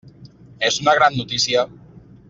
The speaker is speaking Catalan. És una gran notícia.